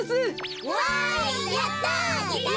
わいやった！